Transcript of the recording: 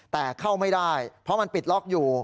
แต่เข้าไม่ได้เพราะมันปิดล็อกอยู่